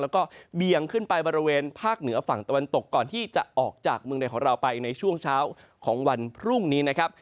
แล้วก็เบี่ยงขึ้นไปบริเวณภาคเหนือฝั่งตะวันตกก่อนที่จะออกจากเมืองใดของเราไปในช่วงเช้าของวันพรุ่งนี้นะครับ